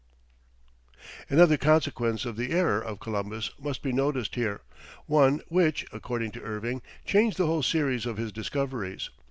Another consequence of the error of Columbus must be noticed here, one which, according to Irving, changed the whole series of his discoveries.